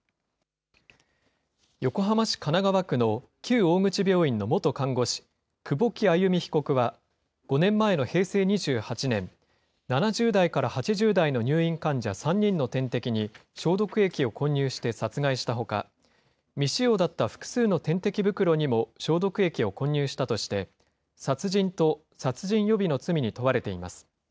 横浜市神奈川区の旧大口病院の元看護師、久保木愛弓被告は、５年前の平成２８年、７０代から８０代の入院患者３人の点滴に消毒液を混入して殺害したほか、未使用だった複数の点滴袋にも消毒液を混入したとして、殺人と殺人予備の罪に問われています。